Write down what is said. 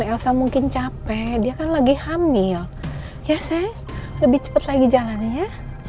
kasihan elsa mungkin capek dia kan lagi hamil ya sayang lebih cepat lagi jalan ya